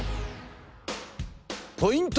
ポイント